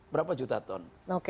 berapa juta ton